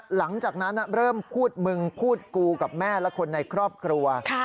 หลังจากนั้นเริ่มพูดมึงพูดกูกับแม่และคนในครอบครัว